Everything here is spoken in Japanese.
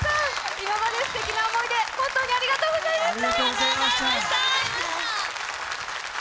今まですてきな思い出、本当にありがとうございました！